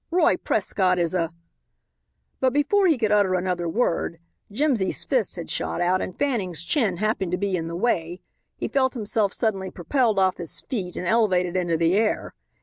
Roy Prescott is a " But before he could utter another word Jimsy's fist had shot out, and Fanning's chin happening to be in the way he felt himself suddenly propelled off his feet and elevated into the air.